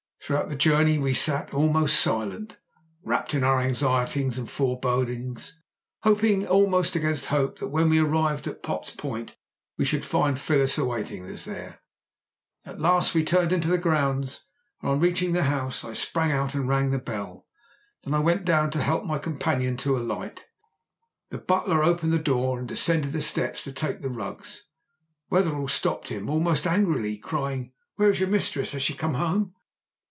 Throughout the journey we sat almost silent, wrapped in our anxieties and forebodings; hoping almost against hope that when we arrived at Potts Point we should find Phyllis awaiting us there. At last we turned into the grounds, and on reaching the house I sprang out and rang the bell, then I went down to help my companion to alight. The butler opened the door and descended the steps to take the rugs. Wetherell stopped him almost angrily, crying: "Where is your mistress? Has she come home?"